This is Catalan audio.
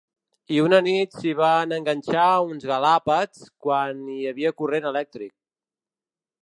I una nit s’hi van enganxar uns galàpets quan hi havia corrent elèctric.